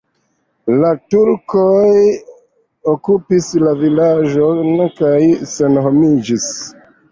La turkoj okupis la vilaĝon kaj senhomiĝis.